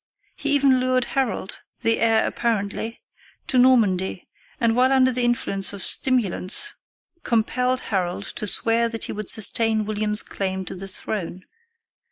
He even lured Harold, the heir apparently, to Normandy, and while under the influence of stimulants compelled Harold to swear that he would sustain William's claim to the throne.